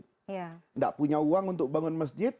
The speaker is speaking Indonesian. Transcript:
tidak punya uang untuk bangun masjid